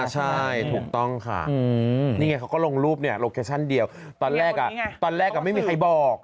ใช่ถูกต้องค่ะนี่ไงเขาก็ลงรูปเนี่ยโลเคชั่นเดียวตอนแรกไม่มีใครบอก